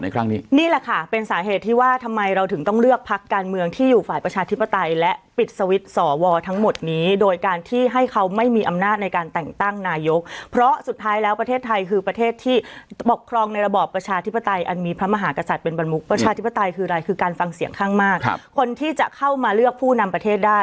การเมืองที่อยู่ฝ่ายประชาธิปไตยและปิดสวิทธิ์สอวรทั้งหมดนี้โดยการที่ให้เขาไม่มีอำนาจในการแต่งตั้งนายกเพราะสุดท้ายแล้วประเทศไทยคือประเทศที่บอกครองในระบอบประชาธิปไตยอันมีพระมหากษัตริย์เป็นบรรมุกประชาธิปไตยคืออะไรคือการฟังเสียงข้างมากครับคนที่จะเข้ามาเลือกผู้นำประเท